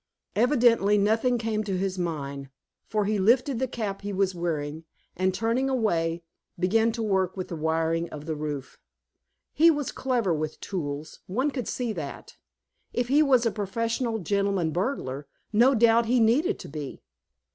Evidently nothing came to his mind, for he lifted the cap he was wearing, and turning away, began to work with the wiring of the roof. He was clever with tools; one could see that. If he was a professional gentleman burglar, no doubt he needed to be.